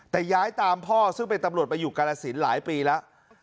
แต่ย้ายตามพ่อซึ่งเป็นตำรวจไปอยู่กาลสินหลายปีแล้ว